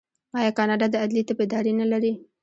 آیا کاناډا د عدلي طب اداره نلري؟